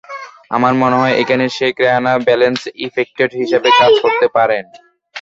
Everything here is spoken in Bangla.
আমার মনে হয়, এখানে শেখ রেহানা ব্যালেন্স ইফেক্টর হিসেবে কাজ করতে পারেন।